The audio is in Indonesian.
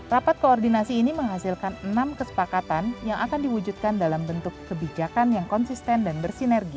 rapat koordinasi ini menghasilkan enam kesepakatan yang akan diwujudkan dalam bentuk kebijakan yang konsisten dan bersinergi